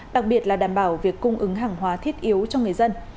đặc biệt là đảm bảo việc cung ứng hàng hóa thiết yếu cho người dân